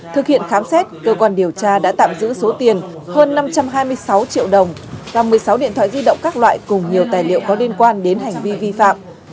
thực hiện khám xét cơ quan điều tra đã tạm giữ số tiền hơn năm trăm hai mươi sáu triệu đồng và một mươi sáu điện thoại di động các loại cùng nhiều tài liệu có liên quan đến hành vi vi phạm